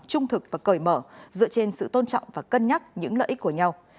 trung thực và cởi mở dựa trên sự tôn trọng và cân nhắc những lợi ích của nhau